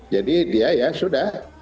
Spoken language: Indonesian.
jadi dia ya sudah